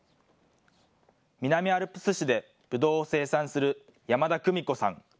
南アルプス市で、ぶどうを生産する山田久美子さん。